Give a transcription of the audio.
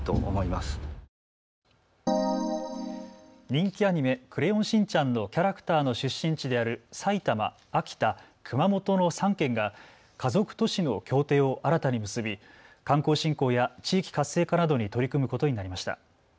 人気アニメ、クレヨンしんちゃんのキャラクターの出身地である埼玉、秋田、熊本の３県が家族都市の協定を新たに結び観光振興や地域活性化などに取り組むことになりました。